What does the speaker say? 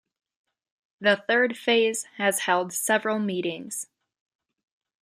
The third phase has held several meetings.